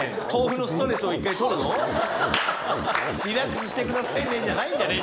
リラックスしてくださいね！